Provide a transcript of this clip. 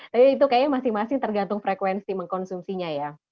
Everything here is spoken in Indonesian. tapi itu kayaknya masing masing tergantung frekuensi mengkonsumsinya ya